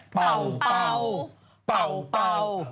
เป่า